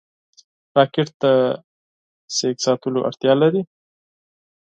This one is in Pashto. راکټ د انرژۍ ساتلو ته اړتیا لري